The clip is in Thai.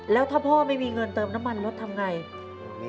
แล้วถ้าพ่อไม่มีเงินเติมน้ำมันรถทำไง